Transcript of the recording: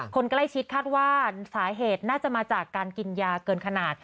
คนใกล้ชิดคาดว่าสาเหตุน่าจะมาจากการกินยาเกินขนาด